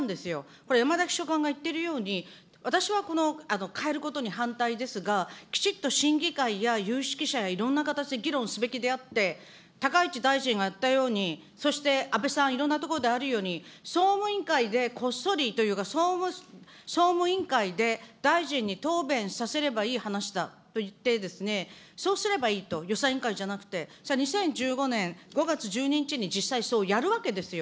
これ、山田秘書官が言ってるように、私は変えることに反対ですが、きちっと審議会や有識者やいろんな形で議論すべきであって、高市大臣が言ったように、そして、安倍さん、いろんなところであるように、総務委員会でこっそりというか、総務委員会で大臣に答弁させればいい話だと言って、そうすればいいと、予算委員会じゃなくて、２０１５年５月１２日に実際、そうやるわけですよ。